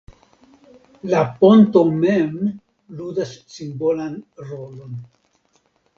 La ponto mem ludas simbolan rolon.